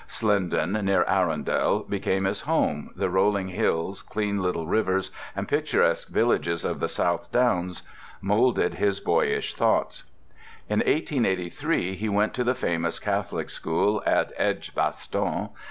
Slindon, near Arundel, became his home, the rolling hills, clean little rivers, and picturesque villages of the South Downs moulded his boyish thoughts. In 1883 he went to the famous Catholic school at Edgbaston.